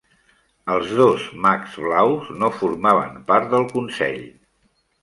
Els dos mags blaus no formaven part del consell.